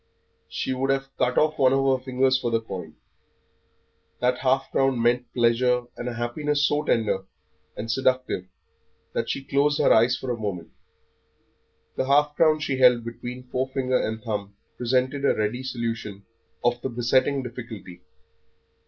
She would have cut off one of her fingers for the coin. That half crown meant pleasure and a happiness so tender and seductive that she closed her eyes for a moment. The half crown she held between forefinger and thumb presented a ready solution of the besetting difficulty.